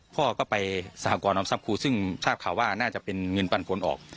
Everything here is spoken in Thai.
พ่อก็ไปสหกรออมทรัพย์ครูซึ่งทราบข่าวว่าน่าจะเป็นเงินปันผลออก